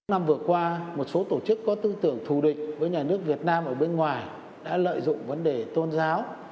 năm vừa qua một số tổ chức có tư tưởng thù địch với nhà nước việt nam ở bên ngoài đã lợi dụng vấn đề tôn giáo